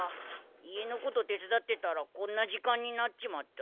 家のこと手伝ってたらこんな時間になっちまった。